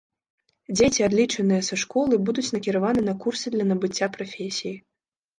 Дзеці, адлічаныя са школы, будуць накіраваны на курсы для набыцця прафесіі.